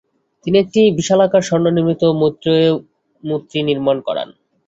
তিনি একটি বিশালাকার স্বর্ণ নির্মিত মৈত্রেয় মূর্তি নির্মাণ করান।